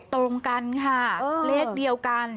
ตรงกันค่ะเลขเดียวกัน